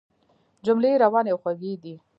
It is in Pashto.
جملې روانې او خوږې دي.